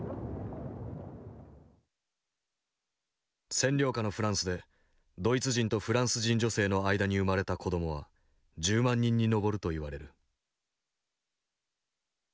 占領下のフランスでドイツ人とフランス人女性の間に生まれた子どもは１０万人に上るといわれる。